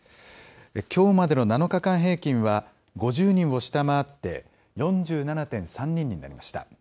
きょうまでの７日間平均は５０人を下回って４７．３人になりました。